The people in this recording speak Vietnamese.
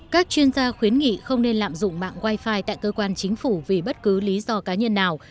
các chuyên gia khuyến nghị không nên lạm dụng mạng wifi tại cơ quan chính phủ vì bất cứ lý do cá nhân nào